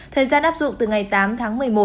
thời gian áp dụng từ ngày tám tháng một mươi một